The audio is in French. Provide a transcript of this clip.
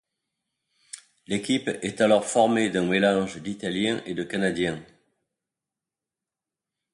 L'équipe est alors formée d'un mélange d'Italiens et de Canadiens.